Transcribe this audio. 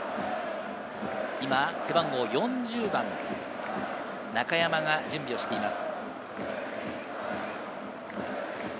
背番号４０番・中山が準備をしています。